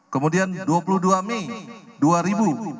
kemudian dua puluh dua mei dua ribu dua puluh empat